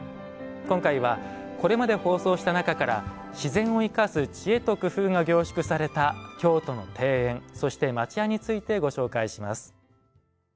今回はこれまで放送した中から自然を生かす知恵と工夫が凝縮された京都の庭園そして町家についてご紹介します。